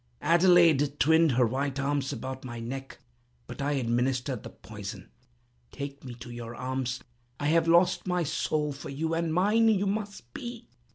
Adelaide twined her white arms about my neck, but I administered the poison! Take me to your arms: I have lost my soul for you, and mine must you be!"